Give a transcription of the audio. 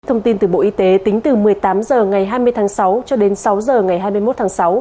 thông tin từ bộ y tế tính từ một mươi tám h ngày hai mươi tháng sáu cho đến sáu h ngày hai mươi một tháng sáu